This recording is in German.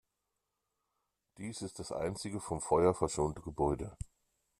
Dies ist das einzige vom Feuer verschonte Gebäude.